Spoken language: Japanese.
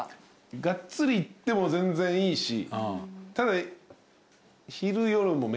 がっつりいっても全然いいしただ。